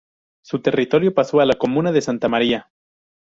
Su territorio pasó a la comuna de Santa María.